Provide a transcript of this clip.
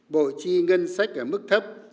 bộ trì ngân sách ở mức thấp